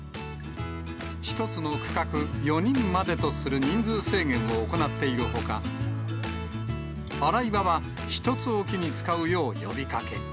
１つの区画４人までとする人数制限を行っているほか、洗い場は１つ置きに使うよう呼びかけ。